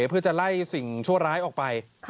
เพื่อจะไล่สิ่งชั่วร้ายออกไป